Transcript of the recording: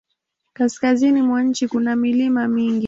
Kaskazini mwa nchi kuna milima mingi.